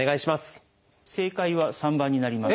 正解は３番になります。